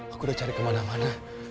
aku udah cari kemana mana